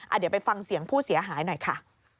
เดี๋ยวไปฟังเสียงผู้เสียหายหน่อยค่ะ